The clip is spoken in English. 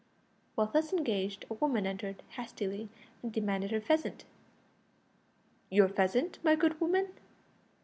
While thus engaged a woman entered hastily and demanded her pheasant. "Your pheasant, my good woman?"